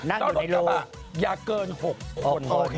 แต่รถกระบะอย่าเกิน๖คน